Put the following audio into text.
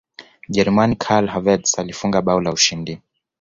mjerumani karl havertz alifunga bao la ushindi